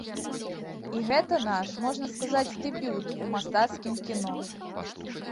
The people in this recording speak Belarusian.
І гэта наш, можна сказаць, дэбют у мастацкім кіно.